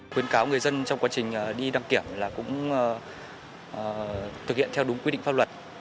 khuyến cáo người dân trong quá trình đi đăng kiểm là cũng thực hiện theo đúng quy định pháp luật